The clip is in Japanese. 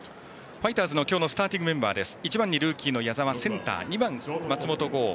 ファイターズの今日のスターティングメンバーです。